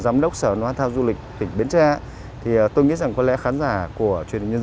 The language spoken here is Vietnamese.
giám đốc sở ngoan thao du lịch tỉnh biến tre thì tôi nghĩ rằng có lẽ khán giả của truyền hình nhân